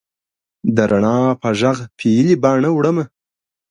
د رڼا په ږغ پیلې باڼه وړمه